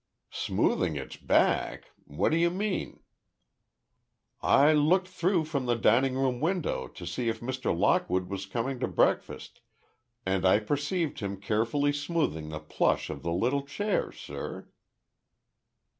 "Smoothing its back! What do you mean?" "I looked through from the dining room window, to see if Mr. Lockwood was coming to breakfast, and I perceived him carefully smoothing the plush of the little chair, sir."